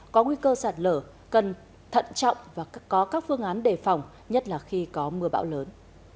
có nguy cơ sạt lở cần thận trọng và có các phương án đề phòng nhất là khi có mưa bão lớn